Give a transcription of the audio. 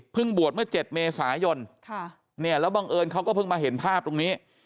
บวชเมื่อ๗เมษายนแล้วบังเอิญเขาก็เพิ่งมาเห็นภาพตรงนี้